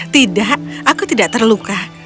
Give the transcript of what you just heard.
tidak aku tidak terluka